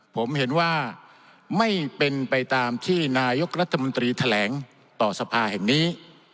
ผมเห็นว่าไม่เป็นไปตามที่นายกรัฐมนตรีแถลงต่อสภาแห่งนี้